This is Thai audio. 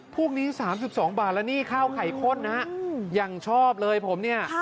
พวกนี้๓๒บาทแล้วนี่ข้าวไข่ข้นนะยังชอบเลยผมเนี่ย